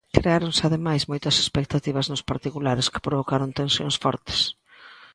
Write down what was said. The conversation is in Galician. Creáronse ademais moitas expectativas nos particulares que provocaron tensións fortes.